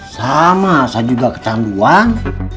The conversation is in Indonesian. sama saya juga kecanduan